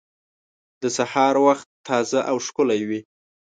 د سهار وخت تازه او ښکلی وي.